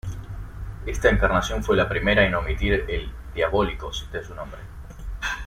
Esta encarnación fue la primera en omitir el "diabólicos" de su nombre.